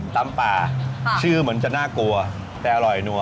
ตำป่าชื่อเหมือนจะน่ากลัวแต่อร่อยนัว